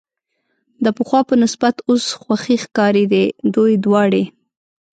د پخوا په نسبت اوس خوښې ښکارېدې، دوی دواړې.